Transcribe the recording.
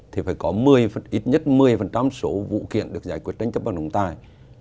thì phải có ít nhất một mươi số vụ kiện được giải quyết tranh chấp bằng trọng tài